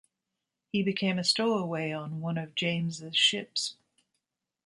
He became a stowaway on one of James's ships.